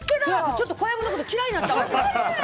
ちょっと小籔のこと嫌いになったもん。